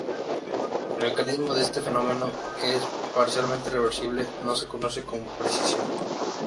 El mecanismo de este fenómeno, que es parcialmente reversible, no se conoce con precisión.